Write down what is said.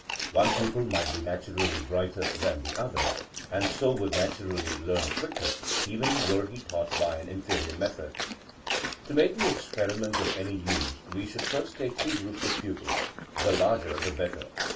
One pupil might be naturally brighter than the other, and so would naturally learn quicker, even were he taught by an in ferior method. To make the experiment of any use we should first take two groups of pupils — the larger the better.